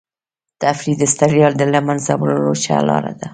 تفریح د ستړیا د له منځه وړلو ښه لاره ده.